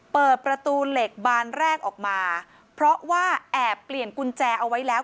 เปิดประตูเหล็กบานแรกออกมาเพราะว่าแอบเปลี่ยนกุญแจเอาไว้แล้ว